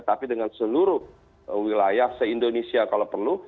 tapi dengan seluruh wilayah se indonesia kalau perlu